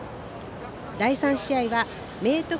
第３試合は明徳